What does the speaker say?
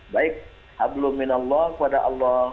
baik abdul minallah kepada allah